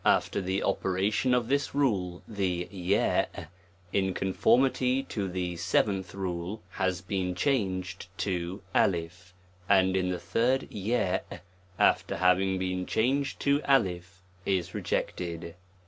after the operation of this rule, the ^, in conformity to the seventh rule, has been changed to 1 3 and in the third , after having been changed to I, is rejected.